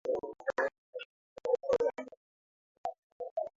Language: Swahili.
watangazaji wanazungumza kwa takribani dakika thelathi hadi saa moja